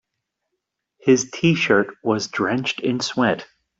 His t-shirt was drenched in sweat.